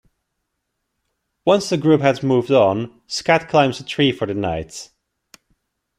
Once the group has moved on, Skat climbs a tree for the night.